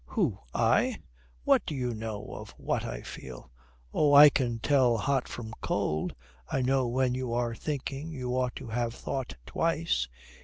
"Who I? What do you know of what I feel?" "Oh, I can tell hot from cold. I know when you are thinking you ought to have thought twice.